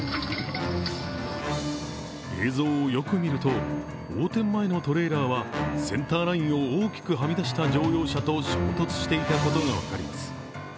映像をよく見ると、横転前のトレーラーはセンターラインを大きくはみ出した乗用車と衝突していたことが分かります。